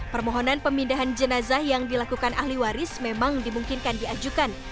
permohonan pemindahan jenazah yang dilakukan ahli waris memang dimungkinkan diajukan